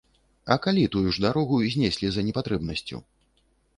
А калі тую ж дарогу знеслі за непатрэбнасцю?